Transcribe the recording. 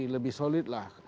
lebih solid lah